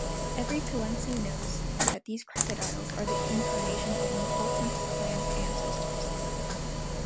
Every Tallensi knows that these crocodiles are the incarnation of important clan ancestors.